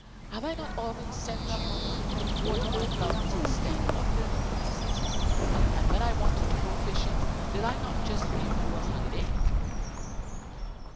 Have I not often sent you to water my flowers instead of learning your lessons? And when I wanted to go fishing, did I not just give you a holiday?"